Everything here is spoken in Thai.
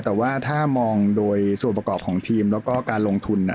แต่ว่าถ้ามองโดยส่วนประกอบของทีมแล้วก็การลงทุน